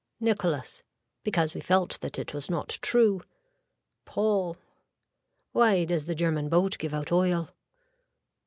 (Nicholas.) Because we felt that it was not true. (Paul.) Why does the german boat give out oil.